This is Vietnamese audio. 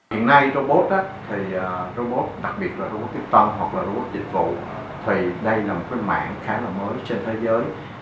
hiện nay robot đặc biệt robot tiếp tận hoặc robot dịch vụ là một cái mạng khá là mới trên thế giới